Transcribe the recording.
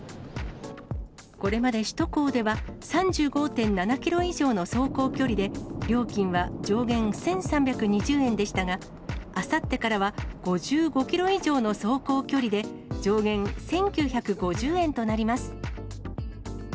これまで首都高では、３５．７キロ以上の走行距離で、料金は上限１３２０円でしたが、あさってからは５５キロ以上の走行距離で、上限１９５０円となります。